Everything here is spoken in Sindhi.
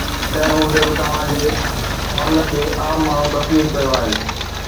تنهن هوندي به توهان جي فن کي عام ماڻهو تسليم ڪيو آهي.